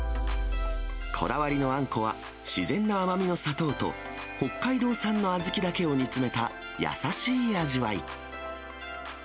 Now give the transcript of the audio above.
こだわりのあんこは、自然な甘みの砂糖と北海道産の小豆だけを煮詰めた優しい味わい。